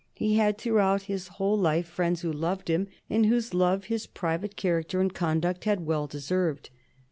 He had through all his life friends who loved him, and whose love his private character and conduct had well deserved.